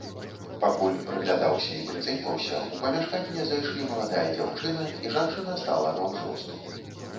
Пакуль прыглядаўся і прыцэньваўся, у памяшканне зайшлі маладая дзяўчына і жанчына сталага ўзросту.